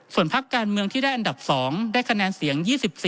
ส่วนพักการเมืองที่ได้อันดับ๒ได้คะแนนเสียง๒๔